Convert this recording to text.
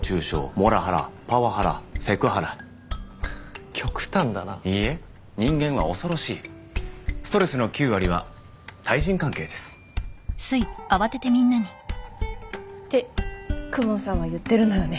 モラハラパワハラセクハラ極端だないいえ人間は恐ろしいストレスの９割は対人関係ですって公文さんは言ってるのよね